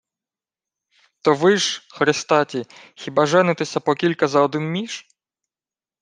— То ви ж, хрестаті, хіба женитеся по кілька за один між?